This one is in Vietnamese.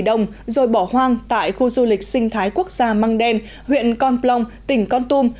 đồng rồi bỏ hoang tại khu du lịch sinh thái quốc gia mang đen huyện con plong tỉnh con tum